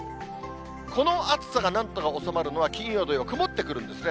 この暑さがなんとか収まるのは金曜、土曜、曇ってくるんですね。